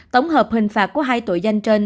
tổng hợp hình phạt của hai tội danh trên